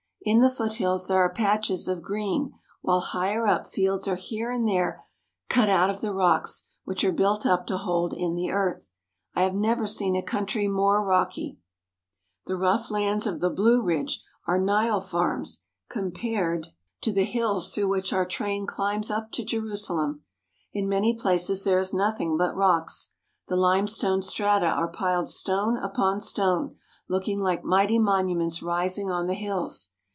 In the foothills there are patches of green, while higher up fields are here and there cut out of the rocks, which are built up to hold in the earth. I have never seen a country more rocky. The rough lands of the Blue Ridge are Nile farms compared to the 24 THE HOLY LAND BY RAILWAY TO THE LAND OF JUDEA hills through which our train climbs up to Jerusalem. In many places there is nothing but rocks. The lime stone strata are piled stone upon stone, looking like mighty monuments rising on the hills.